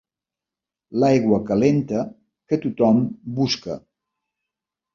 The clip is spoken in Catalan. L'aigua calenta que tothom busca.